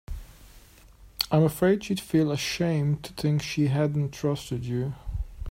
I'm afraid she'd feel ashamed to think she hadn't trusted you.